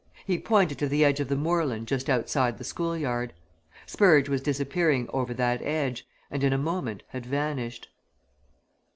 He pointed to the edge of the moorland just outside the school yard. Spurge was disappearing over that edge, and in a moment had vanished.